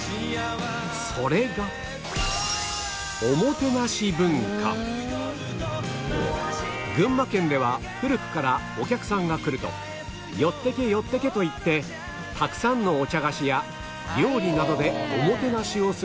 それが群馬県では古くからお客さんが来ると「よってけ！よってけ！」と言ってたくさんのお茶菓子や料理などでおもてなしをする文化がある